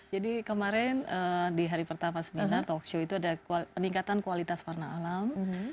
jadi kemarin di hari pertama seminar talkshow itu ada peningkatan kualitas warna alam